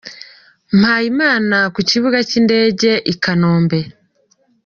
Mpayimana ku kibuga cy’indege i Kanombe